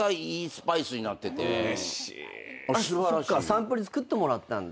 サンプル作ってもらったんだ。